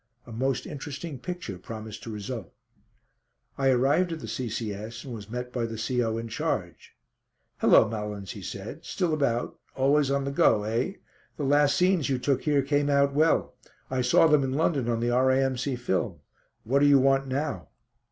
A most interesting picture promised to result. I arrived at the C.C.S. and was met by the C.O. in charge. "Hullo, Malins," he said, "still about? Always on the go, eh? The last scenes you took here came out well. I saw them in London on the R.A.M.C. film. What do you want now?"